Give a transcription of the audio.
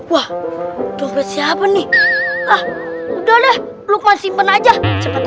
wah siapa nih udah lukman simpen aja